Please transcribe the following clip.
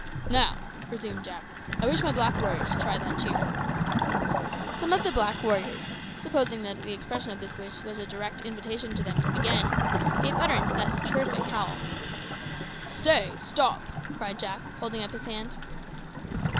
"Now," resumed Jack, "I wish my black warriors to try that cheer " Some of the black warriors, supposing that the expression of this wish was a direct invitation to them to begin, gave utterance to a terrific howl. "Stay! stop!" cried Jack, holding up his hand.